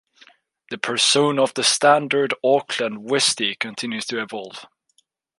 The persona of the standard Auckland "Westie" continues to evolve.